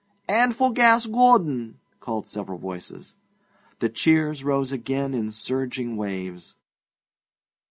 'And for Gas Gordon!' called several voices. The cheers rose again in surging waves.